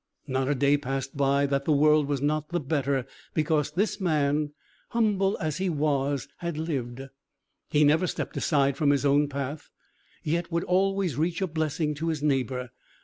Not a day passed by, that the world was not the better because this man, humble as he was, had lived. He never stepped aside from his own path, yet would always reach a blessing to his neighbour.